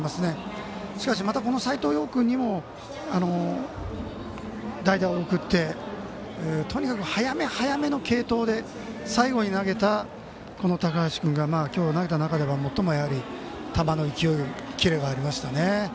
君にも代打を送ってとにかく早め早めの継投で最後に投げた、この高橋君が今日投げた中でも球の勢い、キレがありました。